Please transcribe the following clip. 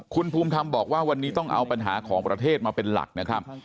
คุณภูมิธรรมบอกว่าวันนี้ต้องเอาปัญหาของประเทศมาเป็นหลักนะครับ